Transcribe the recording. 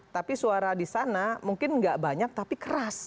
tapi suara di sana mungkin nggak banyak tapi keras